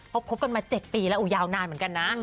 เขาคบกันมา๗ปีแล้วยาวนานเหมือนกันนะ